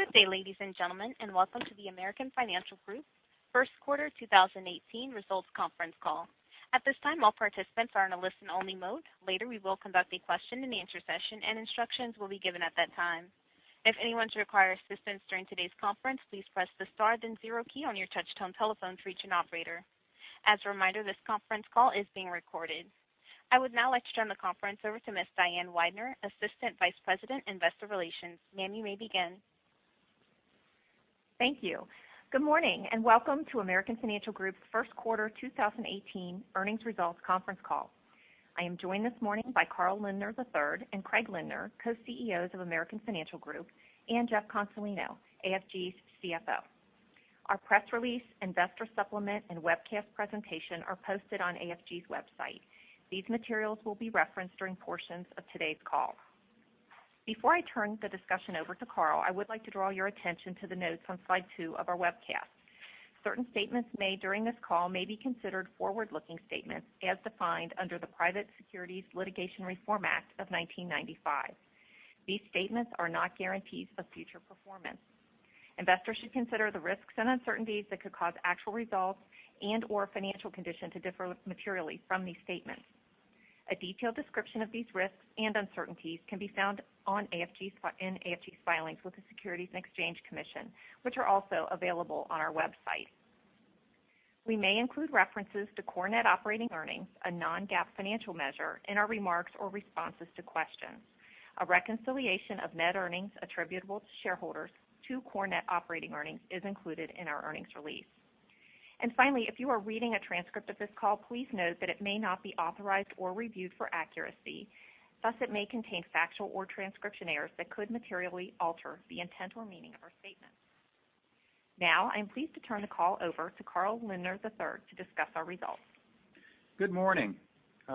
Good day, ladies and gentlemen, and welcome to the American Financial Group first quarter 2018 results conference call. At this time, all participants are in a listen-only mode. Later, we will conduct a question-and-answer session, and instructions will be given at that time. If anyone should require assistance during today's conference, please press the star then zero key on your touchtone telephone to reach an operator. As a reminder, this conference call is being recorded. I would now like to turn the conference over to Ms. Diane Weidner, Assistant Vice President, Investor Relations. Ma'am, you may begin. Thank you. Good morning, and welcome to American Financial Group's first quarter 2018 earnings results conference call. I am joined this morning by Carl Lindner III and Craig Lindner, Co-CEOs of American Financial Group, and Jeff Consolino, AFG's CFO. Our press release, investor supplement, and webcast presentation are posted on AFG's website. These materials will be referenced during portions of today's call. Before I turn the discussion over to Carl, I would like to draw your attention to the notes on slide two of our webcast. Certain statements made during this call may be considered forward-looking statements as defined under the Private Securities Litigation Reform Act of 1995. These statements are not guarantees of future performance. Investors should consider the risks and uncertainties that could cause actual results and/or financial condition to differ materially from these statements. A detailed description of these risks and uncertainties can be found in AFG's filings with the Securities and Exchange Commission, which are also available on our website. We may include references to core net operating earnings, a non-GAAP financial measure, in our remarks or responses to questions. A reconciliation of net earnings attributable to shareholders to core net operating earnings is included in our earnings release. Finally, if you are reading a transcript of this call, please note that it may not be authorized or reviewed for accuracy. Thus, it may contain factual or transcription errors that could materially alter the intent or meaning of our statements. Now, I am pleased to turn the call over to Carl Lindner III to discuss our results. Good morning.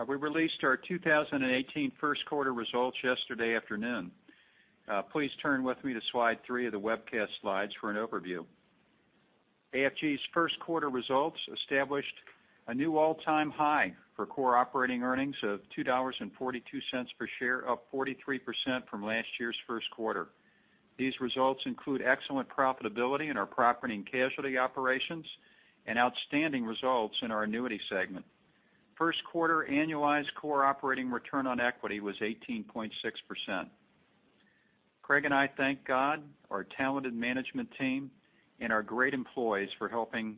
We released our 2018 first quarter results yesterday afternoon. Please turn with me to slide three of the webcast slides for an overview. AFG's first quarter results established a new all-time high for core operating earnings of $2.42 per share, up 43% from last year's first quarter. These results include excellent profitability in our specialty Property and Casualty operations and outstanding results in our Annuity segment. First quarter annualized core operating return on equity was 18.6%. Craig and I thank God, our talented management team, and our great employees for helping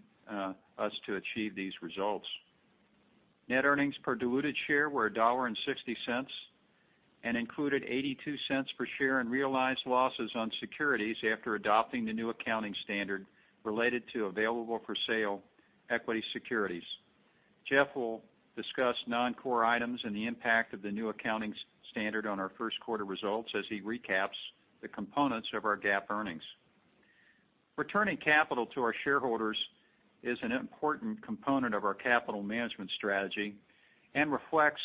us to achieve these results. Net earnings per diluted share were $1.60 and included $0.82 per share in realized losses on securities after adopting the new accounting standard related to available-for-sale equity securities. Jeff will discuss non-core items and the impact of the new accounting standard on our first quarter results as he recaps the components of our GAAP earnings. Returning capital to our shareholders is an important component of our capital management strategy and reflects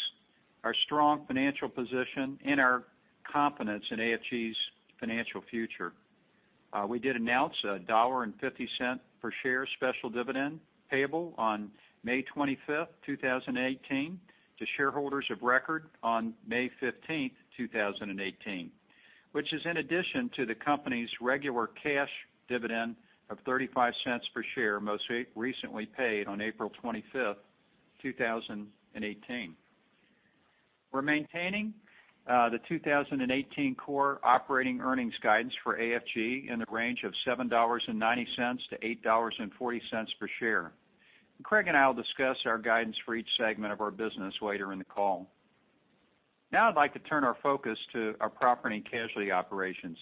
our strong financial position and our confidence in AFG's financial future. We did announce a $1.50 per share special dividend payable on May 25th, 2018, to shareholders of record on May 15th, 2018. It is in addition to the company's regular cash dividend of $0.35 per share, most recently paid on April 25th, 2018. We're maintaining the 2018 core operating earnings guidance for AFG in the range of $7.90-$8.40 per share. Craig and I will discuss our guidance for each segment of our business later in the call. I'd like to turn our focus to our Property and Casualty operations.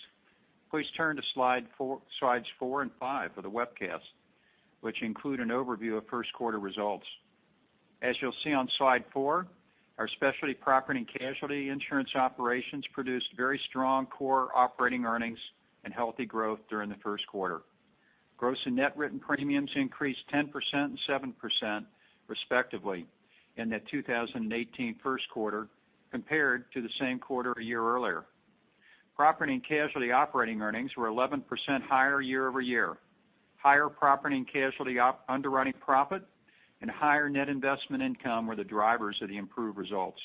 Please turn to slides four and five of the webcast, which include an overview of first quarter results. As you'll see on slide four, our Specialty Property and Casualty insurance operations produced very strong core operating earnings and healthy growth during the first quarter. Gross and net written premiums increased 10% and 7%, respectively, in the 2018 first quarter compared to the same quarter a year earlier. Property and Casualty operating earnings were 11% higher year-over-year. Higher Property and Casualty underwriting profit and higher net investment income were the drivers of the improved results.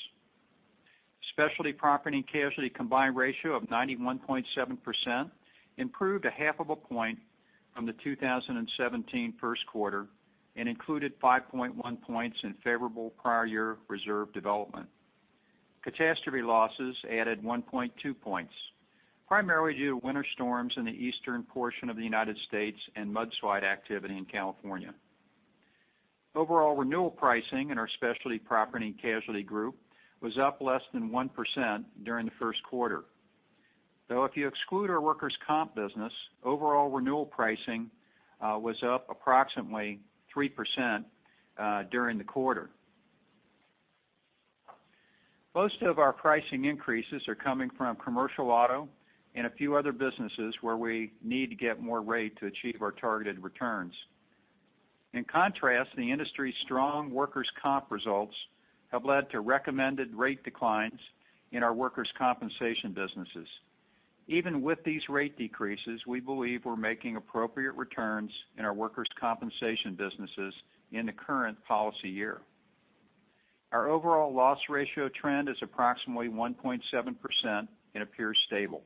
Specialty Property and Casualty combined ratio of 91.7% improved a half of a point from the 2017 first quarter and included 5.1 points in favorable prior year reserve development. Catastrophe losses added 1.2 points, primarily due to winter storms in the eastern portion of the United States and mudslide activity in California. Overall renewal pricing in our specialty Property and Casualty group was up less than 1% during the first quarter. If you exclude our workers' comp business, overall renewal pricing was up approximately 3% during the quarter. Most of our pricing increases are coming from commercial auto and a few other businesses where we need to get more rate to achieve our targeted returns. In contrast, the industry's strong workers' comp results have led to recommended rate declines in our workers' compensation businesses. Even with these rate decreases, we believe we're making appropriate returns in our workers' compensation businesses in the current policy year. Our overall loss ratio trend is approximately 1.7% and appears stable.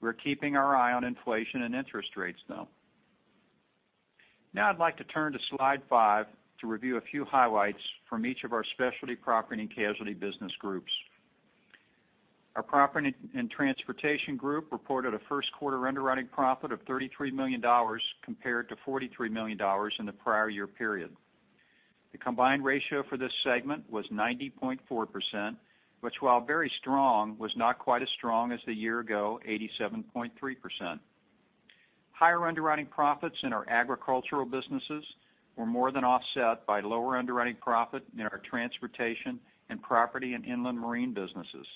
We're keeping our eye on inflation and interest rates, though. I'd like to turn to slide five to review a few highlights from each of our Specialty Property and Casualty business groups. Our Property and Transportation Group reported a first quarter underwriting profit of $33 million compared to $43 million in the prior year period. The combined ratio for this segment was 90.4%, which while very strong, was not quite as strong as the year-ago 87.3%. Higher underwriting profits in our agricultural businesses were more than offset by lower underwriting profit in our transportation and property and inland marine businesses.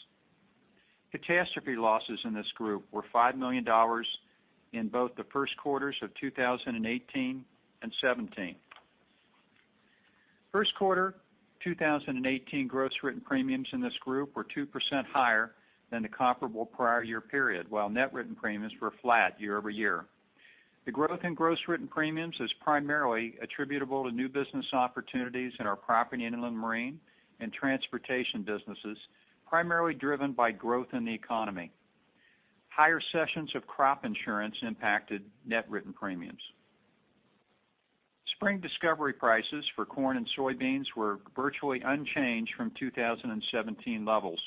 Catastrophe losses in this group were $5 million in both the first quarters of 2018 and 2017. First quarter 2018 gross written premiums in this group were 2% higher than the comparable prior year period, while net written premiums were flat year-over-year. The growth in gross written premiums is primarily attributable to new business opportunities in our property, inland marine, and transportation businesses, primarily driven by growth in the economy. Higher sessions of crop insurance impacted net written premiums. Spring discovery prices for corn and soybeans were virtually unchanged from 2017 levels,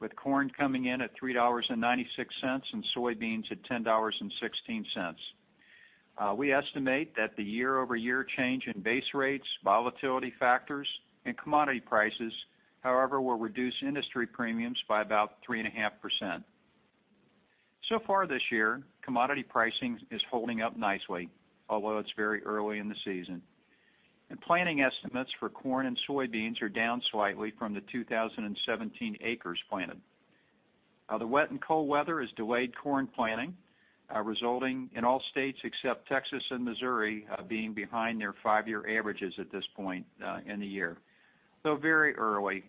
with corn coming in at $3.96 and soybeans at $10.16. We estimate that the year-over-year change in base rates, volatility factors, and commodity prices, however, will reduce industry premiums by about 3.5%. So far this year, commodity pricing is holding up nicely, although it's very early in the season, and planning estimates for corn and soybeans are down slightly from the 2017 acres planted. The wet and cold weather has delayed corn planting, resulting in all states except Texas and Missouri being behind their five-year averages at this point in the year. Very early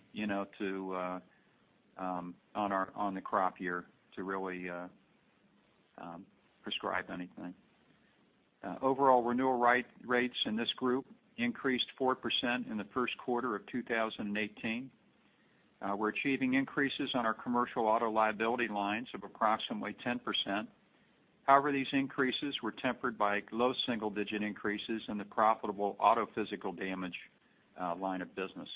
on the crop year to really prescribe anything. Overall renewal rates in this group increased 4% in the first quarter of 2018. We're achieving increases on our commercial auto liability lines of approximately 10%. These increases were tempered by low single-digit increases in the profitable auto physical damage line of business.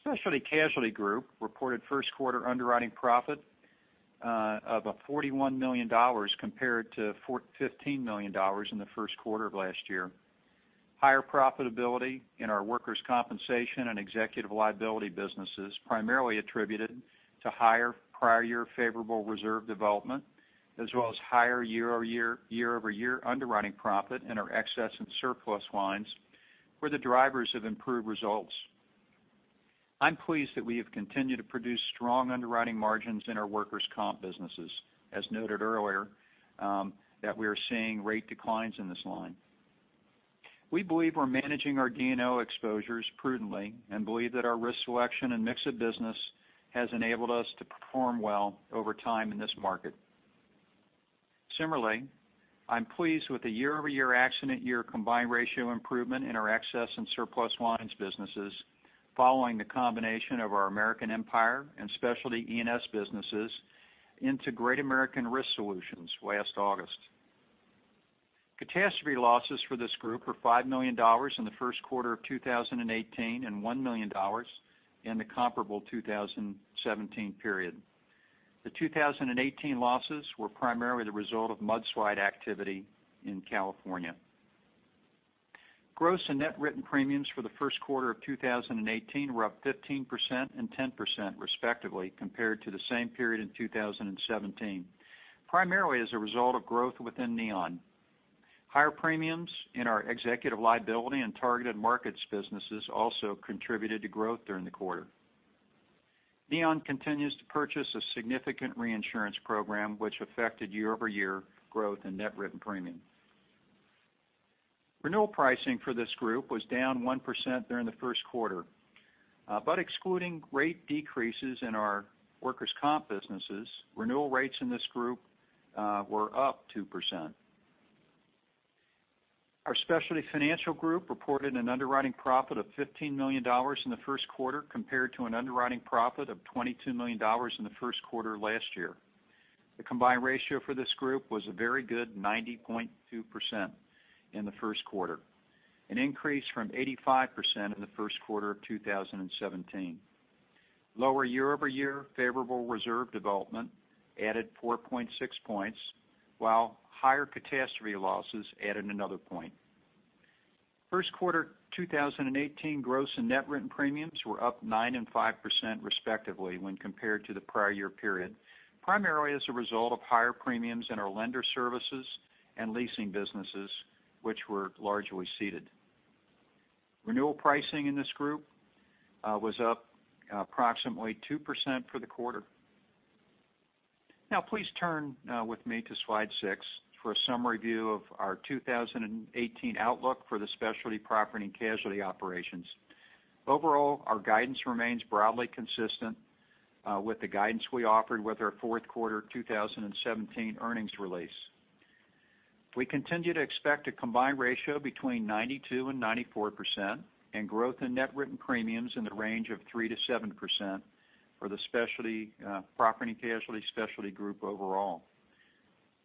Specialty Casualty Group reported first quarter underwriting profit of $41 million compared to $15 million in the first quarter of last year. Higher profitability in our workers' compensation and executive liability businesses, primarily attributed to higher prior year favorable reserve development, as well as higher year-over-year underwriting profit in our excess and surplus lines were the drivers of improved results. I'm pleased that we have continued to produce strong underwriting margins in our workers' comp businesses, as noted earlier, that we are seeing rate declines in this line. We believe we're managing our D&O exposures prudently and believe that our risk selection and mix of business has enabled us to perform well over time in this market. I'm pleased with the year-over-year accident year combined ratio improvement in our excess and surplus lines businesses following the combination of our American Empire and Specialty E&S businesses into Great American Risk Solutions last August. Catastrophe losses for this group were $5 million in the first quarter of 2018 and $1 million in the comparable 2017 period. The 2018 losses were primarily the result of mudslide activity in California. Gross and net written premiums for the first quarter of 2018 were up 15% and 10%, respectively, compared to the same period in 2017, primarily as a result of growth within Neon. Higher premiums in our executive liability and targeted markets businesses also contributed to growth during the quarter. Neon continues to purchase a significant reinsurance program, which affected year-over-year growth in net written premium. Renewal pricing for this group was down 1% during the first quarter. Excluding rate decreases in our workers' comp businesses, renewal rates in this group were up 2%. Our Specialty Financial Group reported an underwriting profit of $15 million in the first quarter, compared to an underwriting profit of $22 million in the first quarter last year. The combined ratio for this group was a very good 90.2% in the first quarter, an increase from 85% in the first quarter of 2017. Lower year-over-year favorable reserve development added 4.6 points, while higher catastrophe losses added another point. First quarter 2018 gross and net written premiums were up 9% and 5%, respectively, when compared to the prior year period, primarily as a result of higher premiums in our lender services and leasing businesses, which were largely ceded. Renewal pricing in this group was up approximately 2% for the quarter. Please turn with me to slide six for a summary view of our 2018 outlook for the Specialty Property and Casualty operations. Overall, our guidance remains broadly consistent with the guidance we offered with our fourth quarter 2017 earnings release. We continue to expect a combined ratio between 92% and 94%, and growth in net written premiums in the range of 3%-7% for the Property and Casualty Specialty Group overall.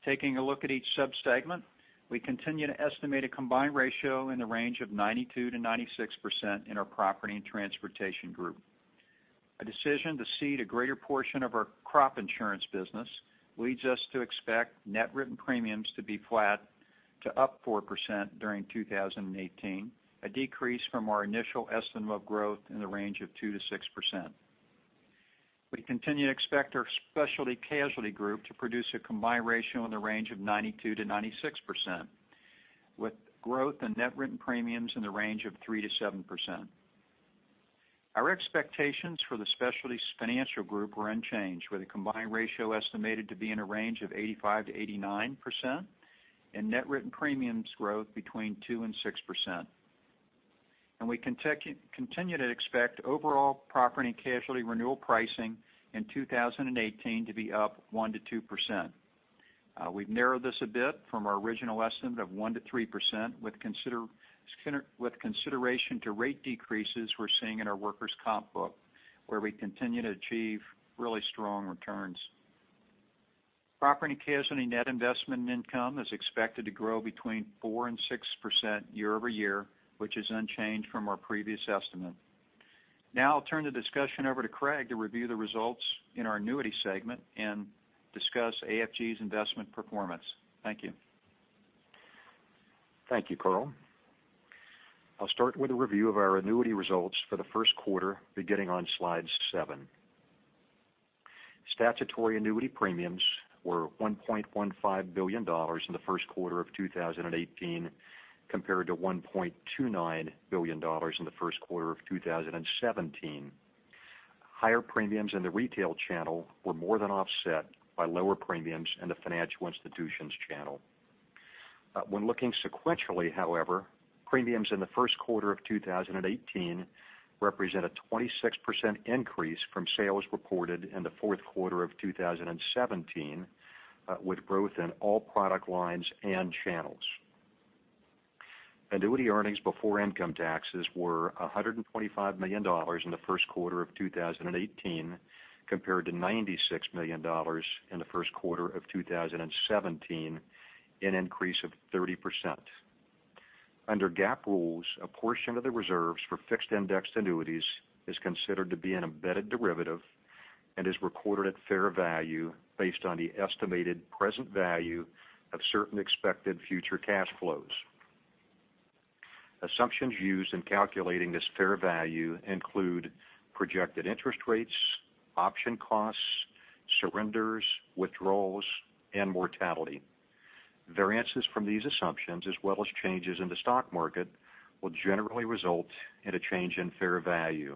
Taking a look at each sub-segment, we continue to estimate a combined ratio in the range of 92%-96% in our Property and Transportation Group. A decision to cede a greater portion of our crop insurance business leads us to expect net written premiums to be flat to up 4% during 2018, a decrease from our initial estimate of growth in the range of 2%-6%. We continue to expect our Specialty Casualty Group to produce a combined ratio in the range of 92%-96%, with growth in net written premiums in the range of 3%-7%. Our expectations for the Specialty Financial Group were unchanged, with a combined ratio estimated to be in a range of 85%-89%, and net written premiums growth between 2% and 6%. We continue to expect overall Property and Casualty renewal pricing in 2018 to be up 1%-2%. We've narrowed this a bit from our original estimate of 1%-3% with consideration to rate decreases we're seeing in our workers' comp book, where we continue to achieve really strong returns. Property and Casualty net investment income is expected to grow between 4% and 6% year-over-year, which is unchanged from our previous estimate. I'll turn the discussion over to Craig to review the results in our Annuity segment and discuss AFG's investment performance. Thank you. Thank you, Carl. I'll start with a review of our Annuity results for the first quarter, beginning on slide seven. Statutory Annuity premiums were $1.15 billion in the first quarter of 2018, compared to $1.29 billion in the first quarter of 2017. Higher premiums in the retail channel were more than offset by lower premiums in the financial institutions channel. When looking sequentially, however, premiums in the first quarter of 2018 represent a 26% increase from sales reported in the fourth quarter of 2017, with growth in all product lines and channels. Annuity earnings before income taxes were $125 million in the first quarter of 2018, compared to $96 million in the first quarter of 2017, an increase of 30%. Under GAAP rules, a portion of the reserves for fixed-indexed annuities is considered to be an embedded derivative and is recorded at fair value based on the estimated present value of certain expected future cash flows. Assumptions used in calculating this fair value include projected interest rates, option costs, surrenders, withdrawals, and mortality. Variances from these assumptions, as well as changes in the stock market, will generally result in a change in fair value.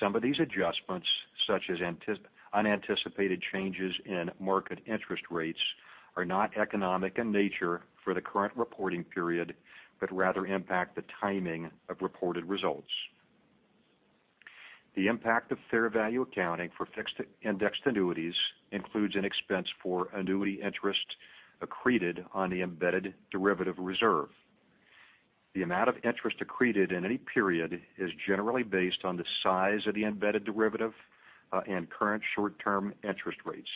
Some of these adjustments, such as unanticipated changes in market interest rates, are not economic in nature for the current reporting period, but rather impact the timing of reported results. The impact of fair value accounting for fixed-indexed annuities includes an expense for Annuity interest accreted on the embedded derivative reserve. The amount of interest accreted in any period is generally based on the size of the embedded derivative and current short-term interest rates.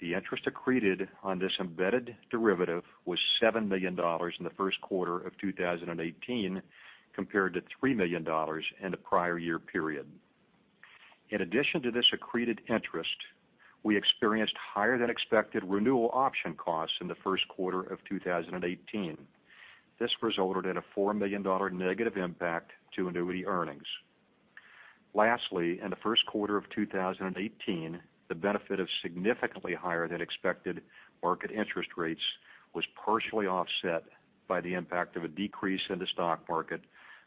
The interest accreted on this embedded derivative was $7 million in the first quarter of 2018, compared to $3 million in the prior year period. In addition to this accreted interest, we experienced higher-than-expected renewal option costs in the first quarter of 2018. This resulted in a $4 million negative impact to Annuity earnings. Lastly, in the first quarter of 2018, the benefit of significantly higher-than-expected market interest rates was partially offset by the impact of a decrease in the stock market,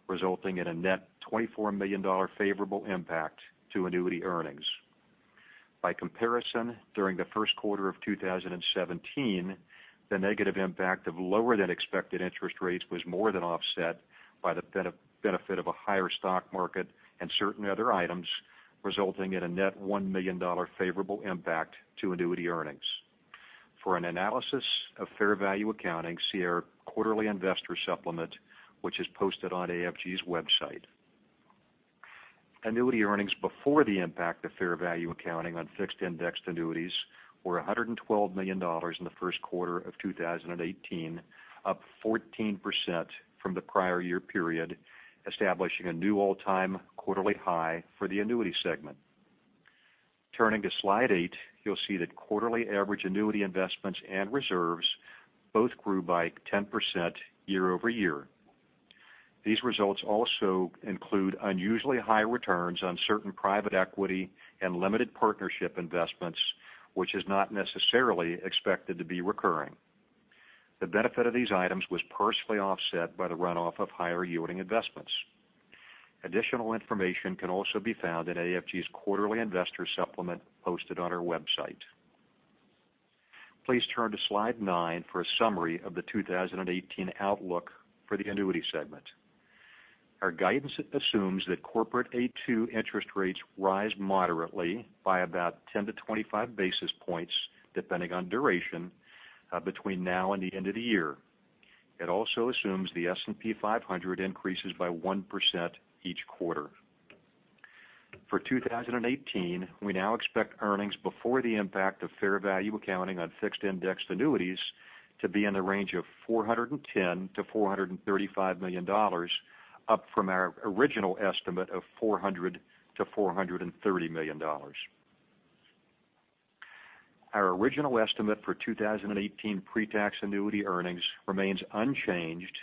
resulting in a net $24 million favorable impact to Annuity earnings. By comparison, during the first quarter of 2017, the negative impact of lower-than-expected interest rates was more than offset by the benefit of a higher stock market and certain other items, resulting in a net $1 million favorable impact to Annuity earnings. For an analysis of fair value accounting, see our quarterly investor supplement, which is posted on AFG's website. Annuity earnings before the impact of fair value accounting on fixed-indexed annuities were $112 million in the first quarter of 2018, up 14% from the prior year period, establishing a new all-time quarterly high for the Annuity segment. Turning to slide eight, you'll see that quarterly average annuity investments and reserves both grew by 10% year-over-year. These results also include unusually high returns on certain private equity and limited partnership investments, which is not necessarily expected to be recurring. The benefit of these items was partially offset by the runoff of higher-yielding investments. Additional information can also be found in AFG's quarterly investor supplement posted on our website. Please turn to slide nine for a summary of the 2018 outlook for the Annuity segment. Our guidance assumes that corporate A2 interest rates rise moderately by about 10 to 25 basis points, depending on duration, between now and the end of the year. It also assumes the S&P 500 increases by 1% each quarter. For 2018, we now expect earnings before the impact of fair value accounting on fixed-indexed annuities to be in the range of $410 million-$435 million, up from our original estimate of $400 million-$430 million. Our original estimate for 2018 pretax annuity earnings remains unchanged,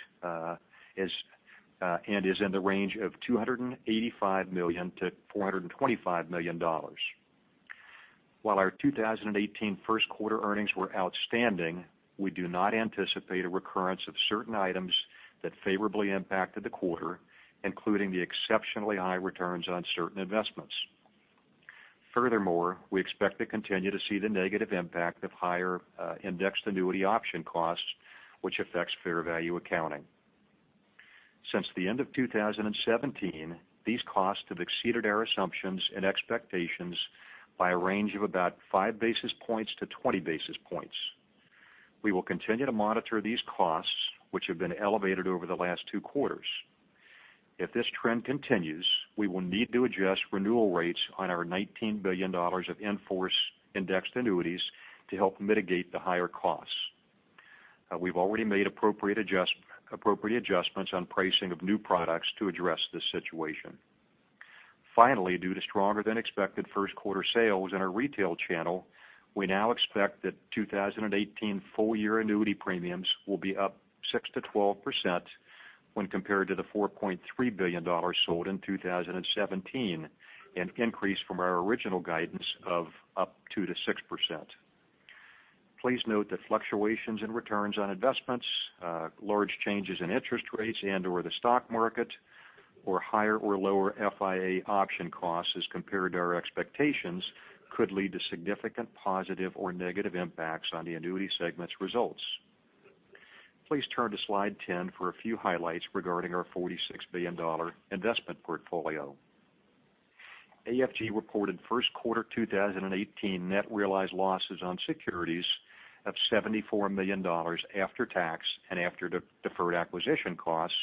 and is in the range of $285 million-$425 million. While our 2018 first quarter earnings were outstanding, we do not anticipate a recurrence of certain items that favorably impacted the quarter, including the exceptionally high returns on certain investments. Furthermore, we expect to continue to see the negative impact of higher indexed annuity option costs, which affects fair value accounting. Since the end of 2017, these costs have exceeded our assumptions and expectations by a range of about five basis points to 20 basis points. We will continue to monitor these costs, which have been elevated over the last two quarters. If this trend continues, we will need to adjust renewal rates on our $19 billion of in-force indexed annuities to help mitigate the higher costs. We've already made appropriate adjustments on pricing of new products to address this situation. Finally, due to stronger than expected first quarter sales in our retail channel, we now expect that 2018 full year annuity premiums will be up 6%-12% when compared to the $4.3 billion sold in 2017, an increase from our original guidance of up 2%-6%. Please note that fluctuations in returns on investments, large changes in interest rates and/or the stock market, or higher or lower FIA option costs as compared to our expectations could lead to significant positive or negative impacts on the Annuity segment's results. Please turn to slide 10 for a few highlights regarding our $46 billion investment portfolio. AFG reported first quarter 2018 net realized losses on securities of $74 million after tax and after deferred acquisition costs,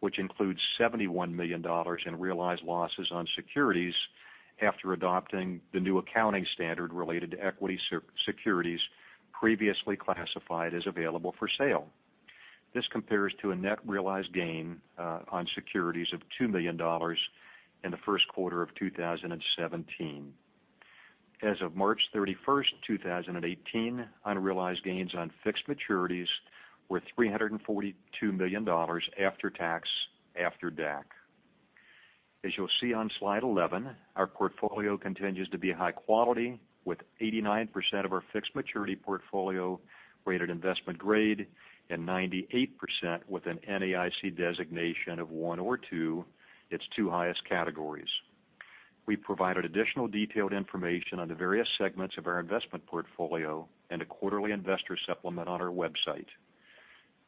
which includes $71 million in realized losses on securities after adopting the new accounting standard related to equity securities previously classified as available for sale. This compares to a net realized gain on securities of $2 million in the first quarter of 2017. As of March 31st, 2018, unrealized gains on fixed maturities were $342 million after tax, after DAC. As you'll see on slide 11, our portfolio continues to be high quality, with 89% of our fixed maturity portfolio rated investment grade and 98% with an NAIC designation of one or two, its two highest categories. We provided additional detailed information on the various segments of our investment portfolio in the quarterly investor supplement on our website.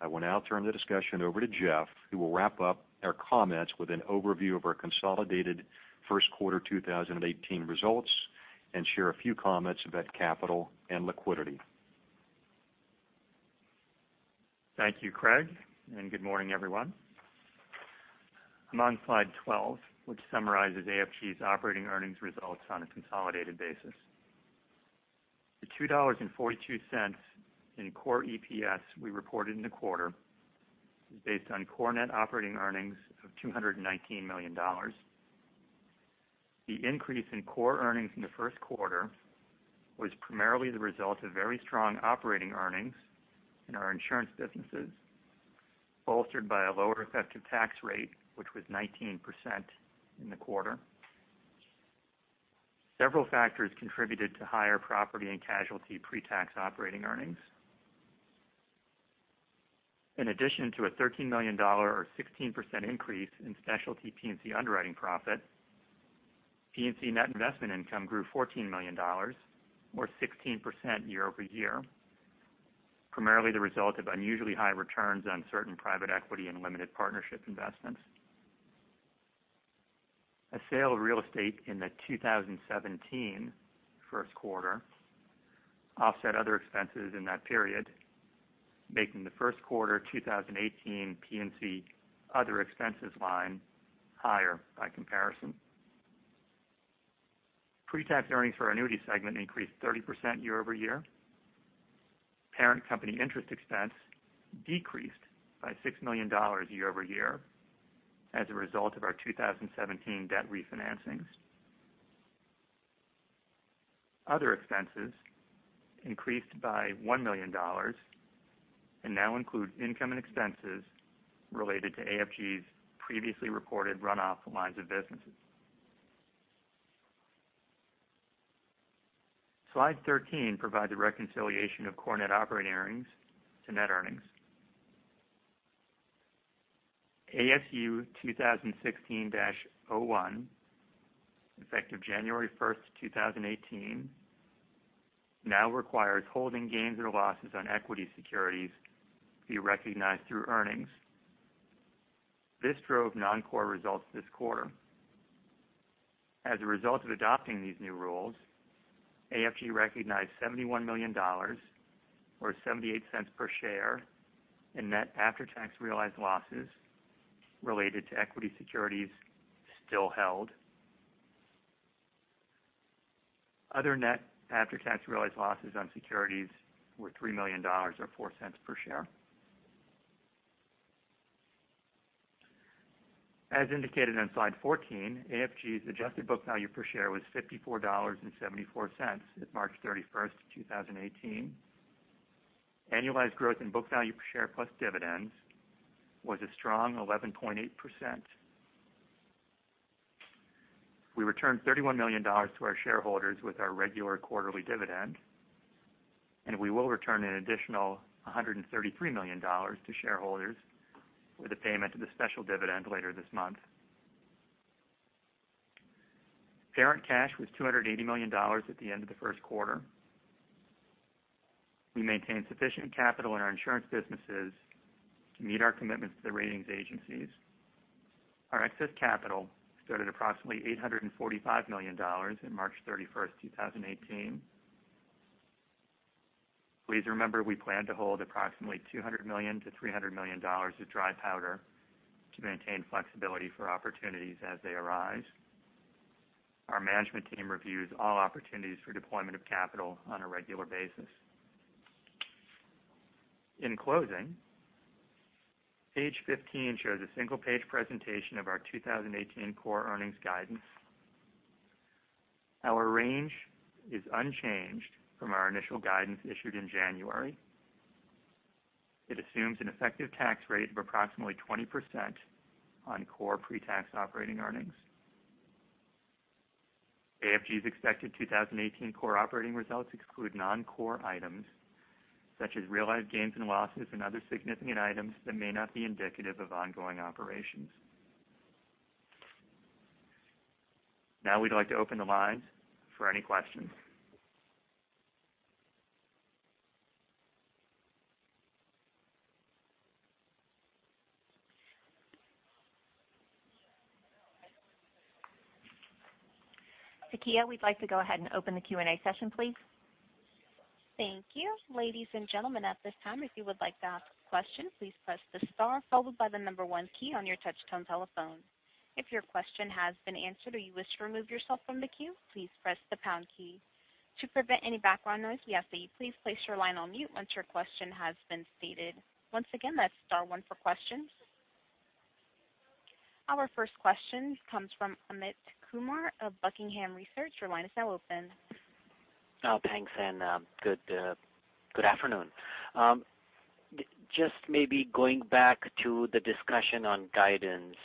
I will now turn the discussion over to Jeff, who will wrap up our comments with an overview of our consolidated first quarter 2018 results and share a few comments about capital and liquidity. Thank you, Craig, good morning, everyone. I'm on slide 12, which summarizes AFG's operating earnings results on a consolidated basis. The $2.42 in core EPS we reported in the quarter is based on core net operating earnings of $219 million. The increase in core earnings in the first quarter was primarily the result of very strong operating earnings in our insurance businesses, bolstered by a lower effective tax rate, which was 19% in the quarter. Several factors contributed to higher Property and Casualty pretax operating earnings. In addition to a $13 million or 16% increase in specialty P&C underwriting profit, P&C net investment income grew $14 million, or 16% year-over-year, primarily the result of unusually high returns on certain private equity and limited partnership investments. A sale of real estate in the 2017 first quarter offset other expenses in that period, making the first quarter 2018 P&C other expenses line higher by comparison. Pretax earnings for Annuity segment increased 30% year-over-year. Parent company interest expense decreased by $6 million year-over-year as a result of our 2017 debt refinancings. Other expenses increased by $1 million and now include income and expenses related to AFG's previously reported runoff lines of businesses. Slide 13 provides a reconciliation of core net operating earnings to net earnings. ASU 2016-01, effective January 1st, 2018, now requires holding gains or losses on equity securities to be recognized through earnings. This drove non-core results this quarter. As a result of adopting these new rules, AFG recognized $71 million or $0.78 per share in net after-tax realized losses related to equity securities still held. Other net after-tax realized losses on securities were $3 million or $0.04 per share. As indicated on slide 14, AFG's adjusted book value per share was $54.74 at March 31st, 2018. Annualized growth in book value per share plus dividends was a strong 11.8%. We returned $31 million to our shareholders with our regular quarterly dividend. We will return an additional $133 million to shareholders with a payment of the special dividend later this month. Parent cash was $280 million at the end of the first quarter. We maintain sufficient capital in our insurance businesses to meet our commitments to the ratings agencies. Our excess capital stood at approximately $845 million in March 31st, 2018. Please remember, we plan to hold approximately $200 million-$300 million of dry powder to maintain flexibility for opportunities as they arise. Our management team reviews all opportunities for deployment of capital on a regular basis. In closing, page 15 shows a single-page presentation of our 2018 core earnings guidance. Our range is unchanged from our initial guidance issued in January. It assumes an effective tax rate of approximately 20% on core pretax operating earnings. AFG's expected 2018 core operating results exclude non-core items such as realized gains and losses and other significant items that may not be indicative of ongoing operations. Now we'd like to open the lines for any questions. Takia, we'd like to go ahead and open the Q&A session, please. Thank you. Ladies and gentlemen, at this time, if you would like to ask a question, please press the star followed by the number one key on your touchtone telephone. If your question has been answered or you wish to remove yourself from the queue, please press the pound key. To prevent any background noise, we ask that you please place your line on mute once your question has been stated. Once again, that's star one for questions. Our first question comes from Amit Kumar of Buckingham Research. Your line is now open. Thanks. Good afternoon. Just maybe going back to the discussion on guidance.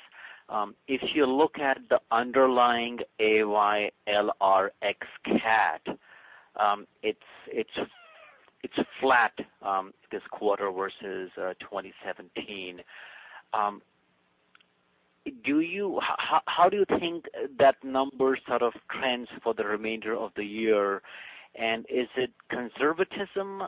If you look at the underlying AYLR ex-CAT, it's flat this quarter versus 2017. How do you think that number sort of trends for the remainder of the year? Is it conservatism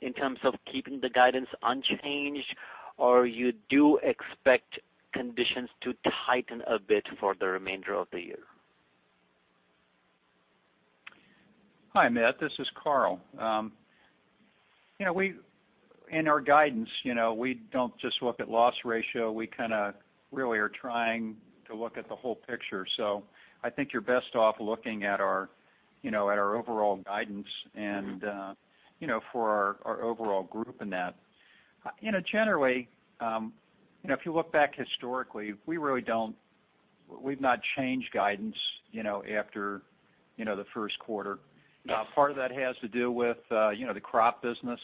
in terms of keeping the guidance unchanged, or you do expect conditions to tighten a bit for the remainder of the year? Hi, Amit, this is Carl. In our guidance, we don't just look at loss ratio. We kind of really are trying to look at the whole picture. I think you're best off looking at our overall guidance and for our overall group in that. Generally, if you look back historically, we've not changed guidance after the first quarter. Part of that has to do with the crop business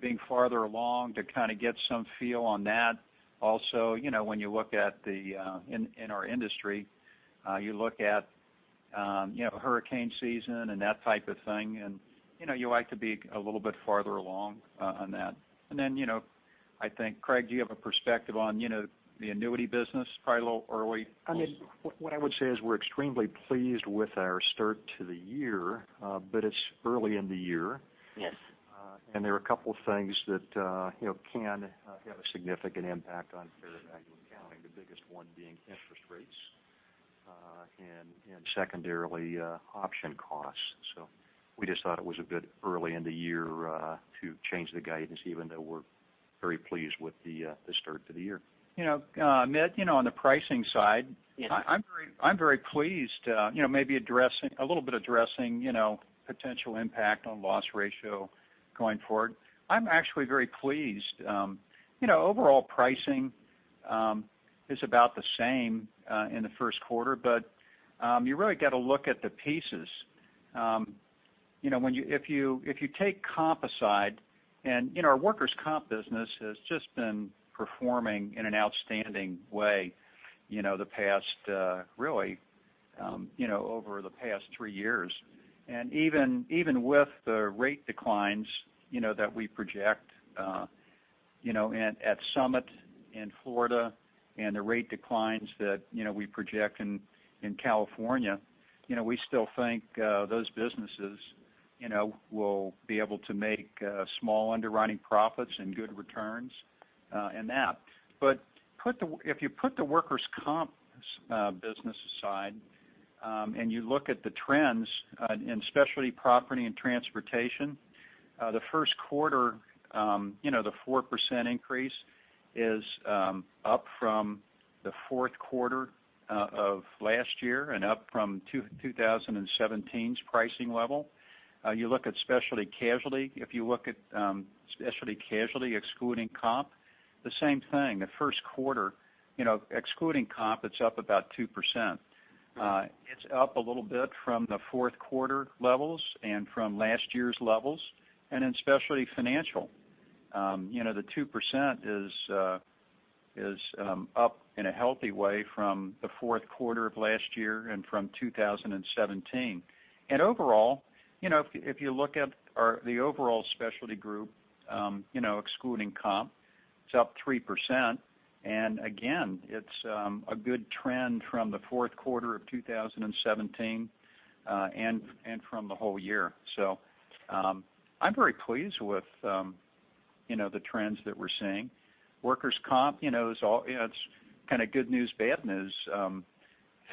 being farther along to kind of get some feel on that. Also, when you look in our industry, you look at hurricane season and that type of thing, and you like to be a little bit farther along on that. Then I think, Craig, do you have a perspective on the annuity business? Probably a little early. Amit, what I would say is we're extremely pleased with our start to the year. It's early in the year. Yes. There are a couple of things that can have a significant impact on fair value accounting, the biggest one being interest rates, and secondarily, option costs. We just thought it was a bit early in the year to change the guidance, even though we're very pleased with the start to the year. Amit, on the pricing side. Yes I'm very pleased. Maybe a little bit addressing potential impact on loss ratio going forward. I'm actually very pleased. Overall pricing is about the same in the first quarter, but you really got to look at the pieces. If you take comp aside, and our workers' comp business has just been performing in an outstanding way over the past three years. Even with the rate declines that we project At Summit in Florida and the rate declines that we project in California, we still think those businesses will be able to make small underwriting profits and good returns in that. If you put the workers' comp business aside, and you look at the trends in Specialty Property and Transportation, the first quarter, the 4% increase is up from the fourth quarter of last year and up from 2017's pricing level. You look at Specialty Casualty, if you look at Specialty Casualty excluding comp, the same thing. The first quarter, excluding comp, it's up about 2%. It's up a little bit from the fourth quarter levels and from last year's levels. In Specialty Financial, the 2% is up in a healthy way from the fourth quarter of last year and from 2017. Overall, if you look at the overall Specialty Group excluding comp, it's up 3%. It's a good trend from the fourth quarter of 2017, and from the whole year. I'm very pleased with the trends that we're seeing. Workers' comp, it's kind of good news, bad news.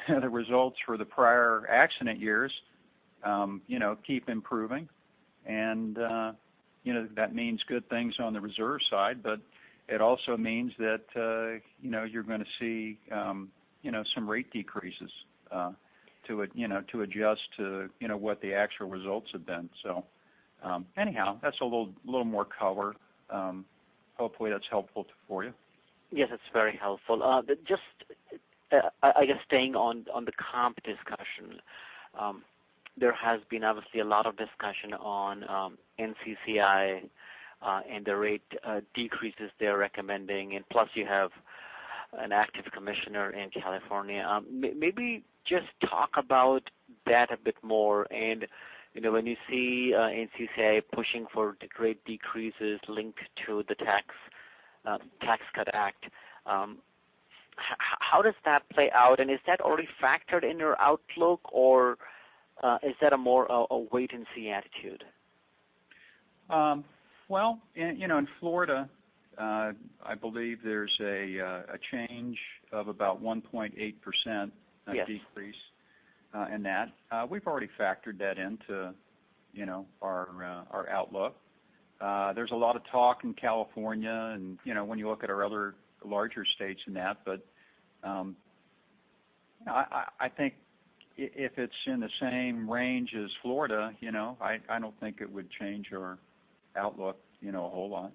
The results for the prior accident years keep improving, and that means good things on the reserve side, but it also means that you're going to see some rate decreases to adjust to what the actual results have been. Anyhow, that's a little more color. Hopefully, that's helpful for you. Yes, it's very helpful. Just, I guess staying on the comp discussion. There has been, obviously, a lot of discussion on NCCI, and the rate decreases they're recommending, plus you have an active commissioner in California. Maybe just talk about that a bit more. When you see NCCI pushing for the rate decreases linked to the Tax Cut Act, how does that play out? Is that already factored in your outlook, or is that a more a wait-and-see attitude? In Florida, I believe there's a change of about 1.8% decrease in that. We've already factored that into our outlook. There's a lot of talk in California, when you look at our other larger states in that, I think if it's in the same range as Florida, I don't think it would change our outlook a whole lot.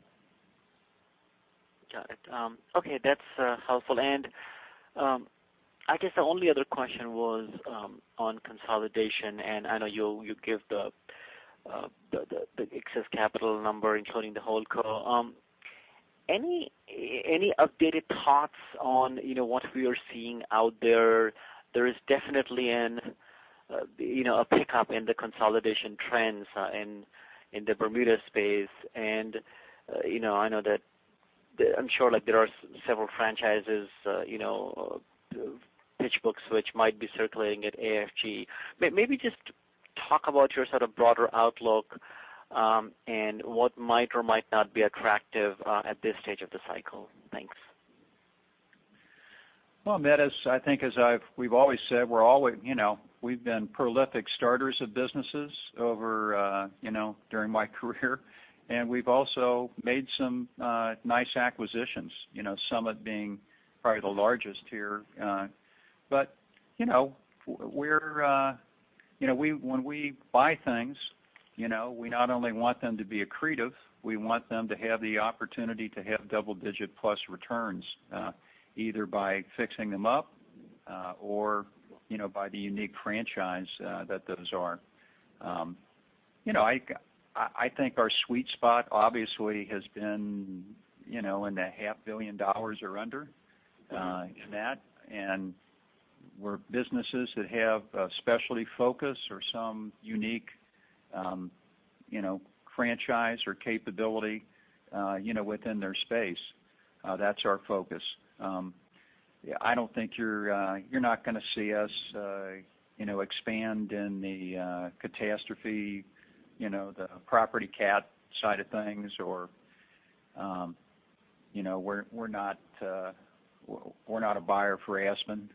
Got it. Okay, that's helpful. I guess the only other question was on consolidation, I know you give the excess capital number, including the holdco. Any updated thoughts on what we are seeing out there? There is definitely a pickup in the consolidation trends in the Bermuda space, I'm sure there are several franchises pitch books which might be circulating at AFG. Maybe just talk about your sort of broader outlook, what might or might not be attractive at this stage of the cycle. Thanks. Amit, I think as we've always said, we've been prolific starters of businesses during my career, and we've also made some nice acquisitions, Summit being probably the largest here. When we buy things, we not only want them to be accretive, we want them to have the opportunity to have double-digit-plus returns either by fixing them up or by the unique franchise that those are. I think our sweet spot obviously has been in the half billion dollars or under in that, and where businesses that have a specialty focus or some unique franchise or capability within their space. That's our focus. You're not going to see us expand in the catastrophe, the property cat side of things. We're not a buyer for Aspen.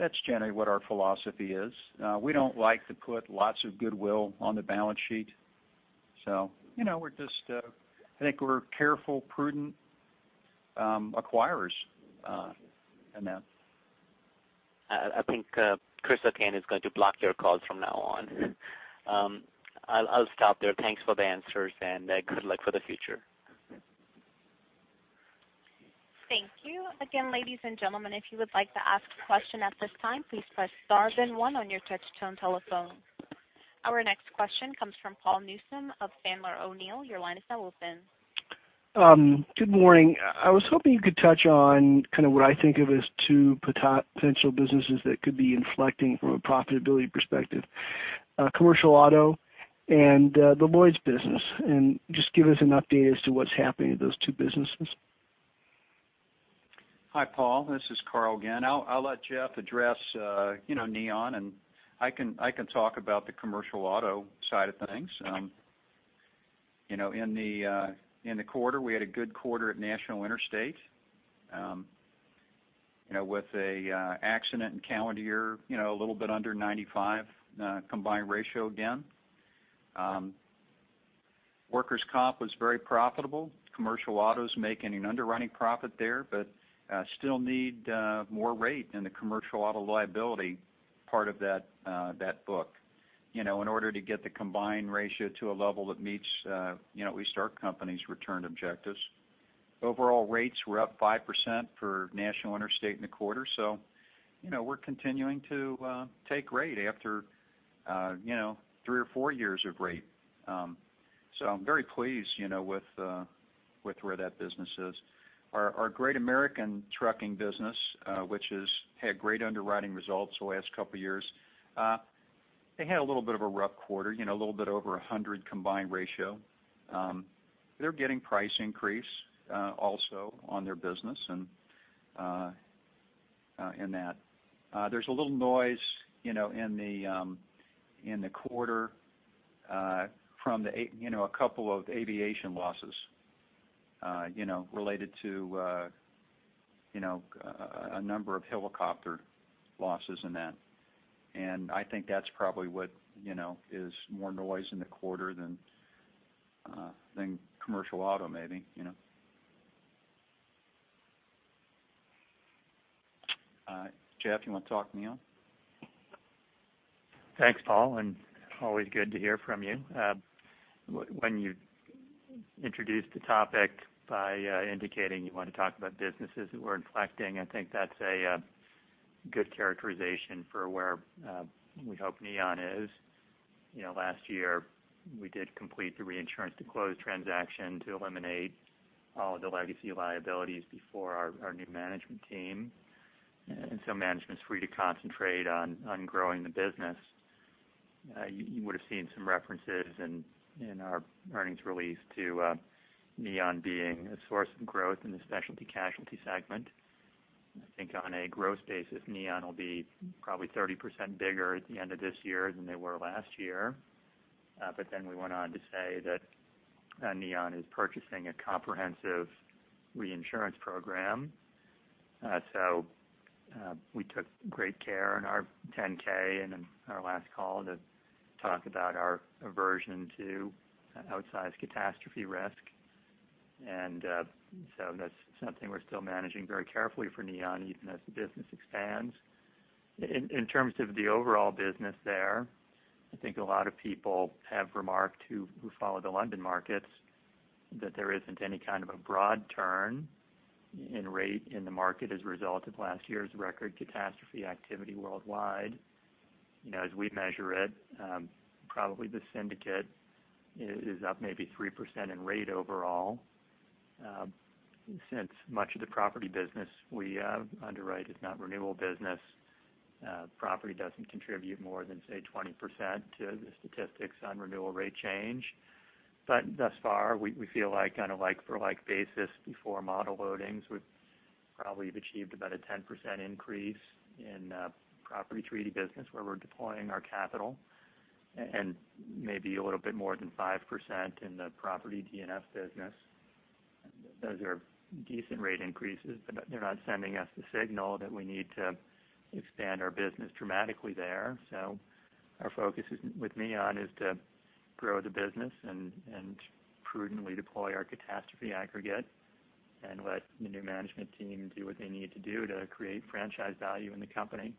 That's generally what our philosophy is. We don't like to put lots of goodwill on the balance sheet. I think we're careful, prudent acquirers in that. I think Chris O'Kane is going to block your calls from now on. I'll stop there. Thanks for the answers, and good luck for the future. Thank you. Again, ladies and gentlemen, if you would like to ask a question at this time, please press star then one on your touch-tone telephone. Our next question comes from Paul Newsome of Sandler O'Neill. Your line is now open. Good morning. I was hoping you could touch on what I think of as two potential businesses that could be inflecting from a profitability perspective, commercial auto and the Lloyd's business, and just give us an update as to what's happening to those two businesses. Hi, Paul Newsome. This is Carl H. Lindner III again. I'll let Jeff address Neon, I can talk about the commercial auto side of things. Okay. In the quarter, we had a good quarter at National Interstate Corporation with an accident and calendar year, a little bit under 95% combined ratio again. Workers' compensation was very profitable. Commercial auto's making an underwriting profit there, still need more rate in the commercial auto liability part of that book in order to get the combined ratio to a level that meets at least our company's return objectives. Overall rates were up 5% for National Interstate Corporation in the quarter, we're continuing to take rate after three or four years of rate. I'm very pleased with where that business is. Our Great American Trucking Division which has had great underwriting results the last couple of years, they had a little bit of a rough quarter, a little bit over 100% combined ratio. They're getting price increase also on their business in that. There's a little noise in the quarter from a couple of aviation losses related to a number of helicopter losses in that. I think that's probably what is more noise in the quarter than commercial auto, maybe. Joseph E. (Jeff) Consolino, you want to talk Neon? Thanks, Paul. Always good to hear from you. When you introduced the topic by indicating you want to talk about businesses that we're inflecting, I think that's a good characterization for where we hope Neon is. Last year, we did complete the reinsurance to close transaction to eliminate all of the legacy liabilities before our new management team. Management's free to concentrate on growing the business. You would've seen some references in our earnings release to Neon being a source of growth in the specialty casualty segment. I think on a growth basis, Neon will be probably 30% bigger at the end of this year than they were last year. We went on to say that Neon is purchasing a comprehensive reinsurance program. We took great care in our 10-K and in our last call to talk about our aversion to outsized catastrophe risk. That's something we're still managing very carefully for Neon, even as the business expands. In terms of the overall business there, I think a lot of people have remarked who follow the London markets, that there isn't any kind of a broad turn in rate in the market as a result of last year's record catastrophe activity worldwide. As we measure it, probably the syndicate is up maybe 3% in rate overall. Since much of the property business we underwrite is not renewable business, property doesn't contribute more than, say, 20% to the statistics on renewal rate change. Thus far, we feel like on a like for like basis before model loadings, we probably have achieved about a 10% increase in property treaty business where we're deploying our capital and maybe a little bit more than 5% in the Property D&F business. Those are decent rate increases, they're not sending us the signal that we need to expand our business dramatically there. Our focus with Neon is to grow the business and prudently deploy our catastrophe aggregate and let the new management team do what they need to do to create franchise value in the company.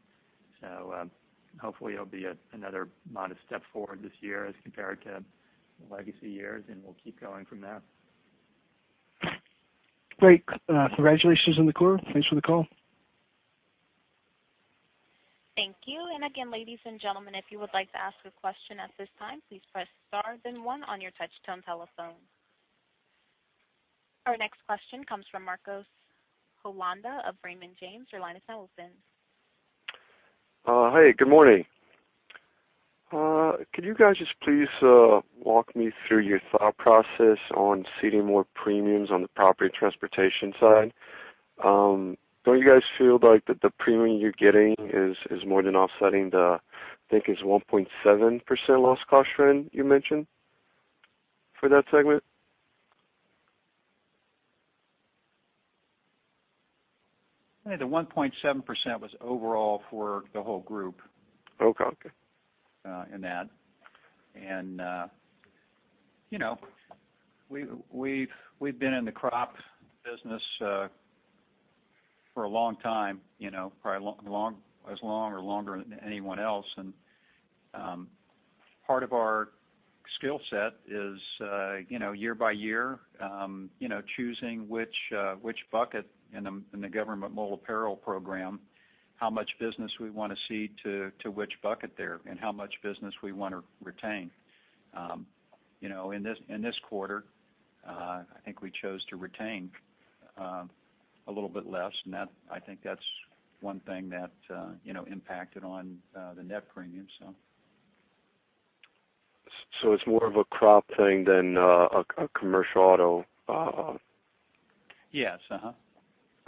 Hopefully it'll be another modest step forward this year as compared to legacy years, we'll keep going from there. Great. Congratulations on the quarter. Thanks for the call. Thank you. Again, ladies and gentlemen, if you would like to ask a question at this time, please press star then one on your touchtone telephone. Our next question comes from Marcos Holanda of Raymond James. Your line is now open. Hi, good morning. Could you guys just please walk me through your thought process on ceding more premiums on the Property and Transportation side? Don't you guys feel like that the premium you're getting is more than offsetting the, I think it's 1.7% loss cost trend you mentioned for that segment? I think the 1.7% was overall for the whole group- Okay in that. We've been in the crop business for a long time, as long or longer than anyone else. Part of our skill set is year by year choosing which bucket in the government Multi-Peril program, how much business we want to cede to which bucket there, and how much business we want to retain. In this quarter, I think we chose to retain a little bit less. I think that's one thing that impacted on the net premium. It's more of a crop thing than a commercial auto. Yes. Mm-hmm.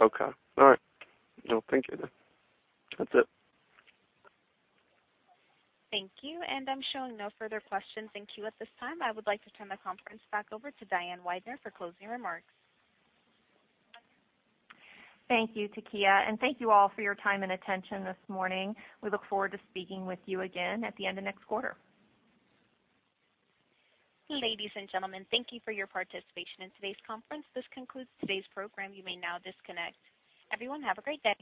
Okay. All right. Thank you then. That's it. Thank you. I'm showing no further questions in queue at this time. I would like to turn the conference back over to Diane Weidner for closing remarks. Thank you, Takia, and thank you all for your time and attention this morning. We look forward to speaking with you again at the end of next quarter. Ladies and gentlemen, thank you for your participation in today's conference. This concludes today's program. You may now disconnect. Everyone, have a great day.